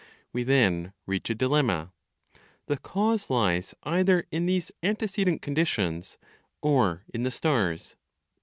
We then reach a dilemma: the cause lies either in these antecedent conditions, or in the stars.